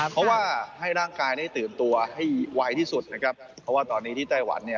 เพราะว่าให้ร่างกายได้ตื่นตัวให้ไวที่สุดนะครับเพราะว่าตอนนี้ที่ไต้หวันเนี่ย